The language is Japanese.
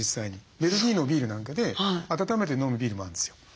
ベルギーのビールなんかで温めて飲むビールもあるんですよ。